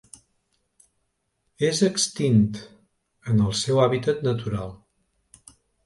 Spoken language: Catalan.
És extint en el seu hàbitat natural.